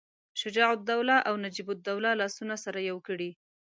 شجاع الدوله او نجیب الدوله لاسونه سره یو کړي.